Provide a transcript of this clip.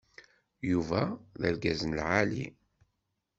Yuba d argaz n lɛali.